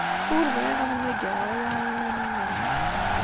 Ur bɣiɣ ad mmagreɣ aya i yiman-inu.